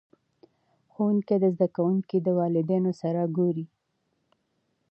ښوونکي د زده کوونکو د والدینو سره ګوري.